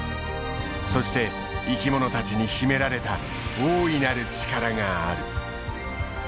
そして生き物たちに秘められた大いなる力がある。